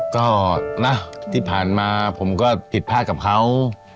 ก็นะที่ผ่านมาผมก็ผิดพลาดกับเขา